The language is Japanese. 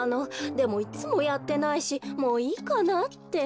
でもいっつもやってないしもういいかなって。